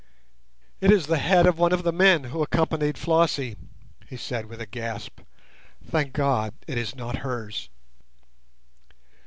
"It is the head of one of the men who accompanied Flossie," he said with a gasp. "Thank God it is not hers!"